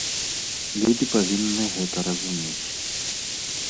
Людзі павінны гэта разумець.